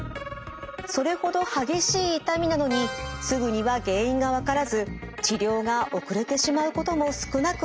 それほど激しい痛みなのにすぐには原因が分からず治療が遅れてしまうことも少なくないといいます。